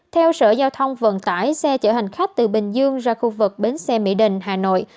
theo sở giao thông vận tải xe chở hành khách từ bình dương ra khu vực bến xe mỹ đình hà nội